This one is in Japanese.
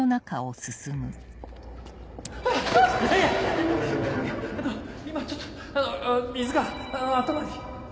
あの今ちょっと水が頭に。